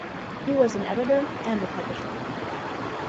He was an editor and a publisher.